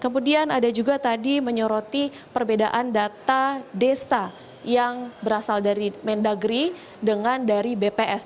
kemudian ada juga tadi menyoroti perbedaan data desa yang berasal dari mendagri dengan dari bps